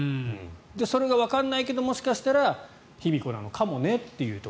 それがわからないけどもしかしたら卑弥呼なのかもねと。